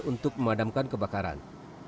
untuk memadamkan kebakaran